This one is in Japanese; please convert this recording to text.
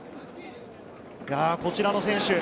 こちらの選手。